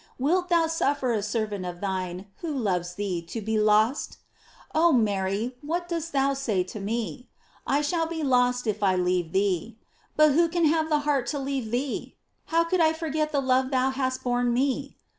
Wilt thou suffer a servant of thine who loves thee to be lost ? Oh Mary, what dost thou say to me ? I shall be lost if I leave thee. But who could have the heart to leave thee ? How could I forget the love thou hast borne me